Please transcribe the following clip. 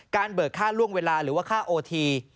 เบิกค่าล่วงเวลาหรือว่าค่าโอที